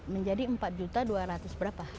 menjadi empat dua ratus berapa